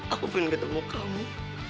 aku pengen ketemu kamu